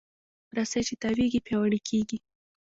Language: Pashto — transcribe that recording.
رسۍ چې تاوېږي، پیاوړې کېږي.